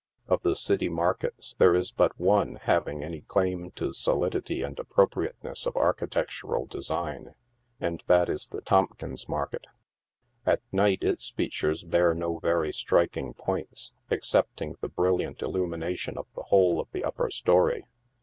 Of the city markets there is but one having any claim to solidity and appropriateness of architectural design, and that is the Tomp kins Market. At night its features bear no very striking points, excepting the brilliant illumination of the whole of the upper story.